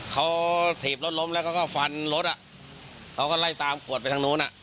เขาถีบรถล้มแล้วเขาก็ฟันรถอ่ะเขาก็ไล่ตามกวดไปทางนู้นอ่ะ